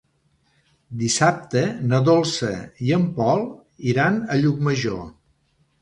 Dissabte na Dolça i en Pol iran a Llucmajor.